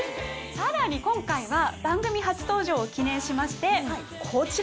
さらに今回は番組初登場を記念しましてこちら！